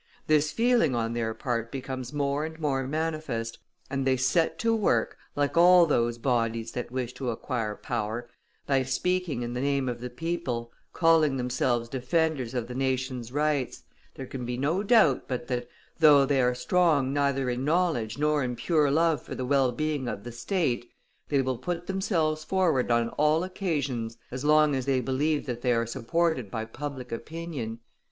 This feeling on their part becomes more and more manifest, and they set to work, like all those bodies that wish to acquire power, by speaking in the name of the people, calling themselves defenders of the nation's rights; there can be no doubt but that, though they are strong neither in knowledge nor in pure love for the well being of the state, they will put themselves forward on all occasions as long as they believe that they are supported by public opinion.